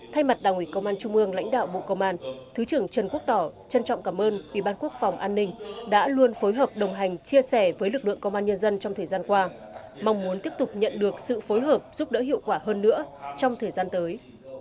thay mặt đảng ủy công an trung ương lãnh đạo bộ công an thứ trưởng trần quốc tỏ trân trọng cảm ơn ủy ban quốc phòng an ninh đã luôn phối hợp đồng hành chia sẻ với lực lượng công an nhân dân trong thời gian qua mong muốn tiếp tục nhận được sự phối hợp giúp đỡ hiệu quả hơn nữa trong thời gian tới